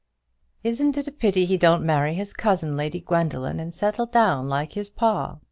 "Isn't it a pity he don't marry his cousin, Lady Gwendoline, and settle down like his pa?"